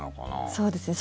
そうですね。